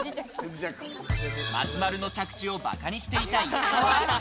松丸の着地を馬鹿にしていた石川アナ。